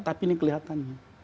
tapi ini kelihatannya